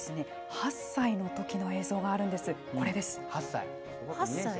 ８歳のときの映像があるんです。